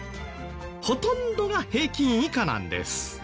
ほとんどが平均以下なんです。